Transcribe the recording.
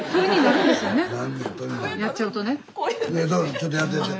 ちょっとやってやって。